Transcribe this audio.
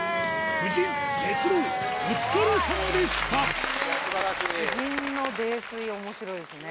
夫人哲朗夫人の泥酔面白いですね。